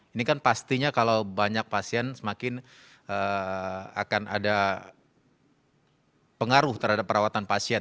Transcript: ini kan pastinya kalau banyak pasien semakin akan ada pengaruh terhadap perawatan pasien